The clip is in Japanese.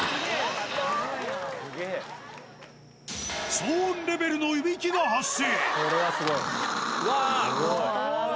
騒音レベルのいびきが発生。